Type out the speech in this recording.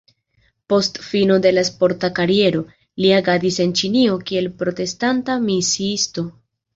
Post fino de la sporta kariero, li agadis en Ĉinio kiel protestanta misiisto.